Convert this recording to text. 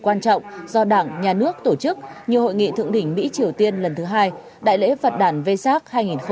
quan trọng do đảng nhà nước tổ chức như hội nghị thượng đỉnh mỹ triều tiên lần thứ hai đại lễ phật đàn v sac hai nghìn một mươi chín